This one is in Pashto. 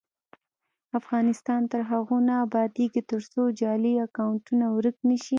افغانستان تر هغو نه ابادیږي، ترڅو جعلي اکونټونه ورک نشي.